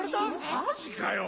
マジかよ。